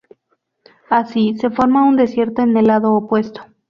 Así, se forma un desierto en el lado opuesto.